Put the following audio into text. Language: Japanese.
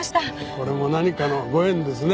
これも何かのご縁ですね。